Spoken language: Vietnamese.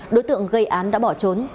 đối tượng gây án đã bỏ trốn